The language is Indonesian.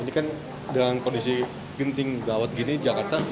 ini kan dengan kondisi genting gawat gini jakarta